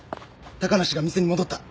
高梨が店に戻った。